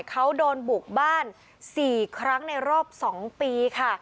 เขาโดนบุกบ้าน๔ครั้งในรอบ๒ปีค่ะ